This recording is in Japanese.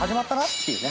っていうね。